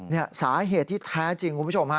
นี่สาเหตุที่แท้จริงคุณผู้ชมฮะ